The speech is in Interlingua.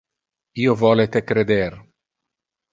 Io vole te creder.